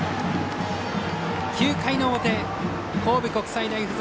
９回の表、神戸国際大付属